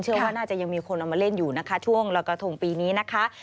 ว่าน่าจะยังมีคนเอามาเล่นอยู่นะคะช่วงลอยกระทงปีนี้นะคะ